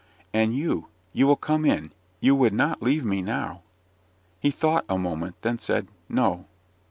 "And you. You will come in you would not leave me now?" He thought a moment then said, "No!"